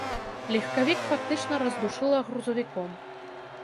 Легкавік фактычна раздушыла грузавіком.